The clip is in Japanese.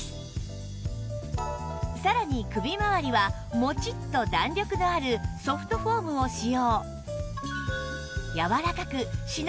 さらに首まわりはモチッと弾力のあるソフトフォームを使用